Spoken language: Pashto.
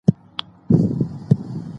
خلګ په خوښیو کي شراب څښي.